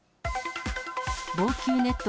防球ネット